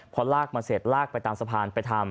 พอลากมาเสร็จลากไปตามสะพานไปทำ